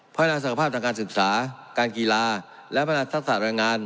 พร้อมรักษภาพจากการศึกษาการกีฬาและพนักศักดิ์ศักดิ์ศักดิ์รายงาน